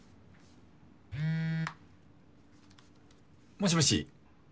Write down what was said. もしもし。